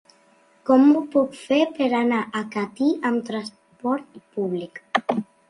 Com ho puc fer per anar a Catí amb transport públic?